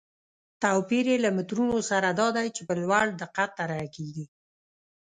توپیر یې له مترونو سره دا دی چې په لوړ دقت طرحه کېږي.